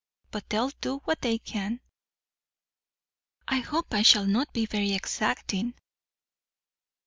But they'll do what they can." "I hope I shall not be very exacting."